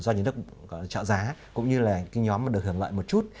do nhà nước trợ giá cũng như là cái nhóm mà được hưởng lợi một chút